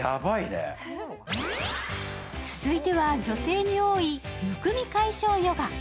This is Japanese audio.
続いては、女性に多いむくみ解消ヨガ。